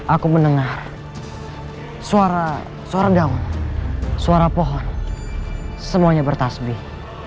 aku mendengar suara sorgaung suara pohon semuanya bertasbih